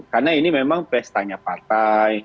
karena ini memang pestanya partai